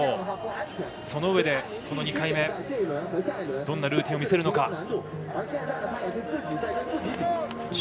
そのうえで、２回目どんなルーティンを見せるのか。